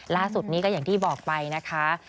ล่าสุดนี้ก็อย่างที่บอกไปนะคะ